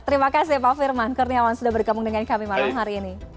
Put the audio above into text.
terima kasih pak firman kurniawan sudah bergabung dengan kami malam hari ini